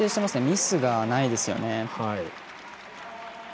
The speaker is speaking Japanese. ミスがないですね。